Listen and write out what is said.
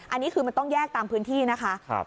อันนี้คือมันต้องแยกตามพื้นที่นะคะ